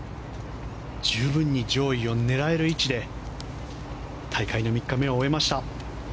十分に上位を狙える位置で大会の３日目を終えました。